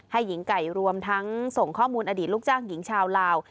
ให้หญิงไก่รวมทั้งโทรมอนาคมอดีตลูกจ้างหญิงชาวลาว